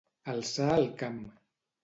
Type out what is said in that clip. Alçar el camp.